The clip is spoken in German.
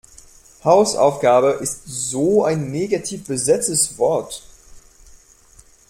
Hausaufgabe ist so ein negativ besetztes Wort.